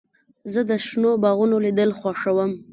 زه د شنو باغونو لیدل خوښوم.